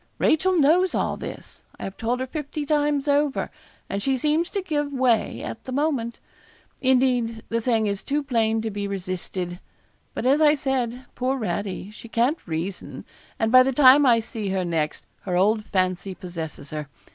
Rachel knows all this. I have told her fifty times over, and she seems to give way at the moment. Indeed the thing is too plain to be resisted. But as I said, poor Radie, she can't reason; and by the time I see her next, her old fancy possesses her.